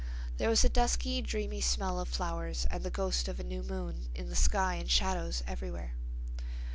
There was a dusky, dreamy smell of flowers and the ghost of a new moon in the sky and shadows everywhere.